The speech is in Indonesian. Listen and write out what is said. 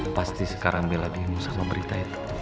pasti sekarang bella diam sama berita itu